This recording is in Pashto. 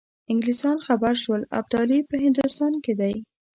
انګلیسان خبر شول ابدالي په هندوستان کې دی.